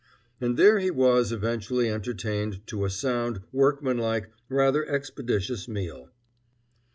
And there he was eventually entertained to a sound, workmanlike, rather expeditious meal.